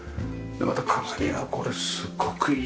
また鏡がこれすごくいいじゃない。